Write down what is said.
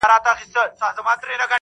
د لاسونو په پياله کې اوښکي راوړې.